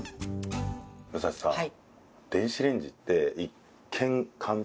武蔵さん。